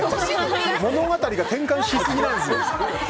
物語が展開しすぎなんですよ。